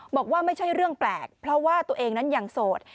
บอกว่าไม่ใช่เรื่องแปลกเพราะว่าตัวเองนั้นยังโสด